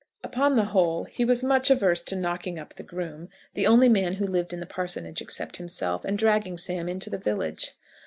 Upon the whole, he was much averse to knocking up the groom, the only man who lived on the parsonage except himself, and dragging Sam into the village.